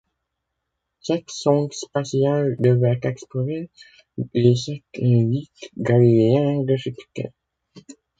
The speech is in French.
Cette sonde spatiale devait explorer les satellites galiléens de Jupiter.